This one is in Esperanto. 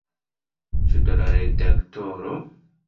Ĉu de la redaktoro?